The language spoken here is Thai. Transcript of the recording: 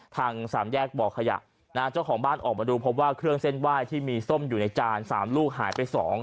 ทางสามแยกบ่อขยะนะฮะเจ้าของบ้านออกมาดูพบว่าเครื่องเส้นไหว้ที่มีส้มอยู่ในจาน๓ลูกหายไป๒